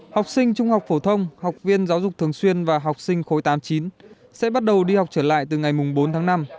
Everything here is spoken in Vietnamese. học sinh trung học phổ thông học viên giáo dục thường xuyên và học sinh khối tám mươi chín sẽ bắt đầu đi học trở lại từ ngày bốn tháng năm